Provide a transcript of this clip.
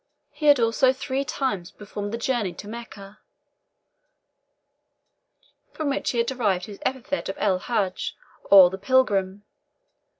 He had also three times performed the journey to Mecca, from which he derived his epithet of El Hadgi, or the Pilgrim.